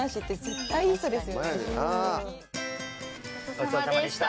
ごちそうさまでした。